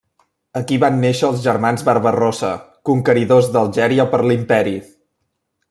Aquí van néixer els germans Barba-rossa conqueridors d'Algèria per l'Imperi.